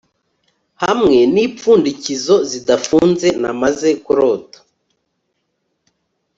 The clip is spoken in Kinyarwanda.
Hamwe nipfundikizo zidafunze namaze kurota